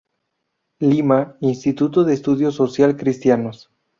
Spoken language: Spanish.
Lima, Instituto de Estudios Social Cristianos.